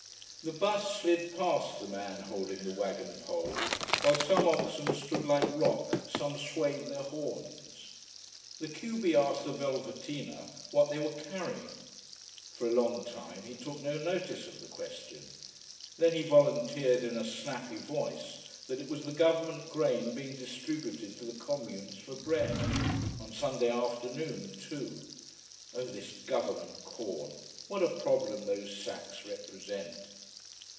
The bus slid past, the man holding the wagon pole, while some oxen stood like rock, some swayed their horns. The q b asked the velveteener what they were carrying. For a long time he took no notice of the question. Then he volunteered, in a snappy voice, that it was the government grain being distributed to the communes for bread. On Sunday afternoon too. Oh this government corn! What a problem those sacks represent!